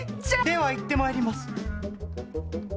ではいってまいります。